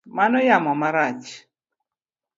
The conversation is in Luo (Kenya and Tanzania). Mano yamo marach.